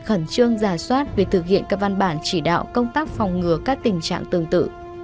khẩn trương giả soát việc thực hiện các văn bản chỉ đạo công tác phòng ngừa các tình trạng tương tự